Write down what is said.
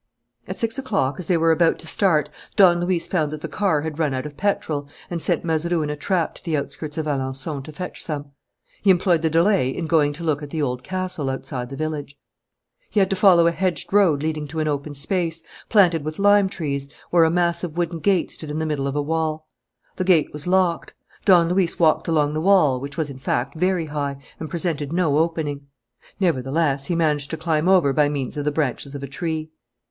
At six o'clock, as they were about to start, Don Luis found that the car had run out of petrol and sent Mazeroux in a trap to the outskirts of Alençon to fetch some. He employed the delay in going to look at the Old Castle outside the village. He had to follow a hedged road leading to an open space, planted with lime trees, where a massive wooden gate stood in the middle of a wall. The gate was locked. Don Luis walked along the wall, which was, in fact, very high and presented no opening. Nevertheless, he managed to climb over by means of the branches of a tree.